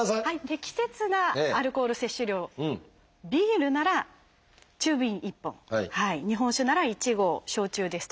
適切なアルコール摂取量ビールなら中瓶１本日本酒なら１合焼酎ですと１１０ｍＬ。